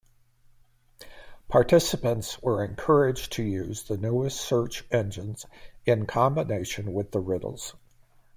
Participants were encouraged to use the newest search engines in combination with the riddles.